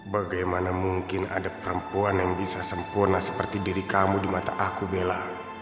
bagaimana mungkin ada perempuan yang bisa sempurna seperti diri kamu di mata aku bella